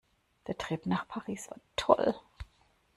Der Trip nach Paris war toll.